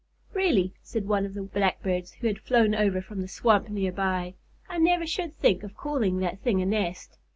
"Really," said one of the Blackbirds, who had flown over from the swamp near by, "I never should think of calling that thing a nest!